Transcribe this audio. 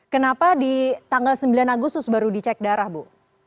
kenapa di tanggal sembilan agustus baru dicek darah bu